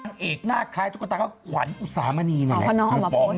นางเอกหน้าคลายตุ๊กตาก็ขวัญอุตสามณีนแหละอ๋อเค้าน้องเอามาโพสต์